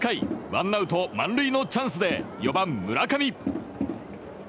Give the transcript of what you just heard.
ワンアウト満塁のチャンスで４番、村上。